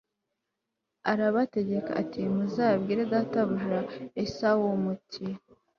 Arabategeka ati Muzabwire databuja Esawu muti